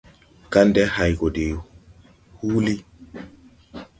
Paŋ kandɛ hay go de huuli.